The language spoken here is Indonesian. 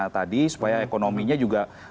tadi supaya ekonominya juga